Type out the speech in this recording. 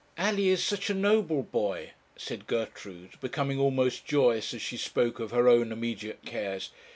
'Alley is such a noble boy,' said Gertrude, becoming almost joyous as she spoke of her own immediate cares.